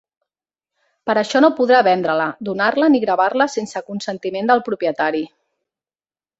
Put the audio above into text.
Per això no podrà vendre-la, donar-la ni gravar-la sense consentiment del propietari.